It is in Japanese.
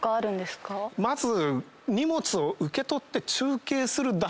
まず。